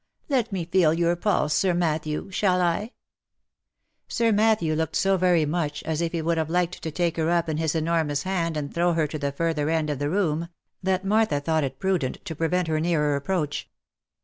Let me feel your pulse, Sir Matthew, shall I ?" Sir Matthew looked so very much as if he would have liked to take her up in his enormous hand and throw her to the further end of the room, that Martha thought it prudent to prevent her nearer ap proach.